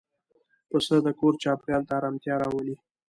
پسه د کور چاپېریال ته آرامتیا راولي.